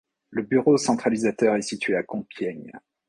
Le bureau centralisateur est situé à Compiègne.